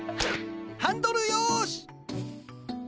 ハンドルよし。